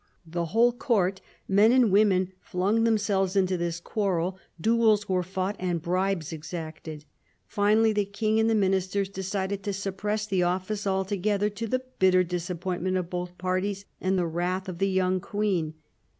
The whole Court, men and women, flung themselves into this quarrel ; duels were fought and bribes exacted. Finally, the King and the Ministers decided to suppress the office altogether, to the bitter disappoint ment of both parties and the wrath of the young Queen.